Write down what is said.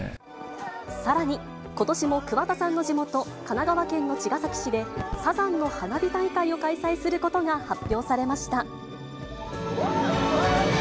さらに、ことしも桑田さんの地元、神奈川県の茅ヶ崎市で、サザンの花火大会を開催することが発表されました。